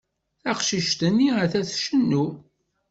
Taqcict-nni atta tcennu.